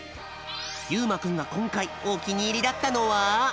ゆうまくんがこんかいおきにいりだったのは。